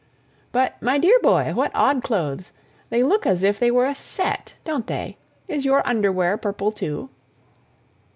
"But, my dear boy, what odd clothes! They look as if they were a set—don't they? Is your underwear purple, too?"